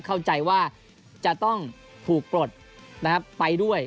เข้าใจว่าจะต้องถูกปลดนะครับไปด้วย